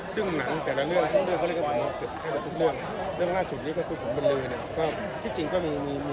ซึ่งอะไรจึงจะต้องเรียกพี่ดม